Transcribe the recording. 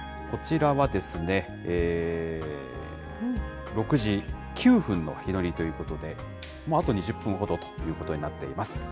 こちらは６時９分の日の入りということで、あと２０分ほどということになっています。